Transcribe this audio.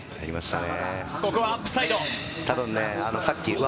ここはアップサイド。